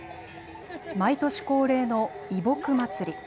毎年恒例の移牧祭り。